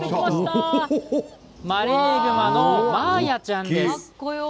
マレーグマのマーヤちゃんです。